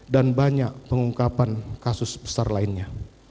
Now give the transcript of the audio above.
dan banyak pengungkapan kasus besar lainnya